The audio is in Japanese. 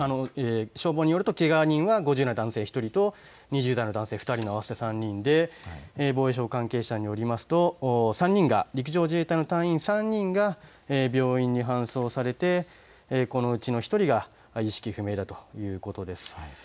消防によるとけが人は５０代の男性１人と２０代の男性２人の合わせて３人で防衛省関係者によりますと３人が陸上自衛隊の隊員３人が病院に搬送されてこのうちの１人が意識不明だということです。